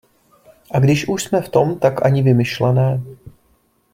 A když už jsme v tom, tak ani vymyšlené.